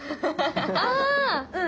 ああ！